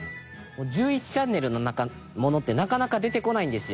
１１チャンネルのものってなかなか出てこないんですよ。